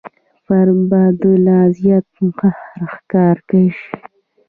فرد به د لا زیات قهر ښکار شي.